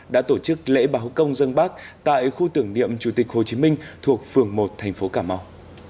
đã tổ chức lễ báo công dân bác tại khu tưởng niệm chủ tịch hồ chí minh thuộc phường một thành phố cà mau